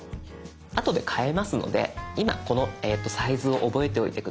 あとで変えますので今このサイズを覚えておいて下さい。